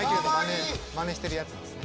まねしてるやつですね。